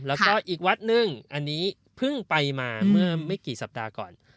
แล้วก็อีกวัดหนึ่งอันนี้เพิ่งไปมาเมื่อไม่กี่สัปดาห์ก่อน